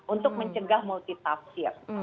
untuk mencegah multi tafsir